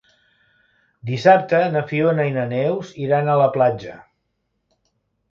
Dissabte na Fiona i na Neus iran a la platja.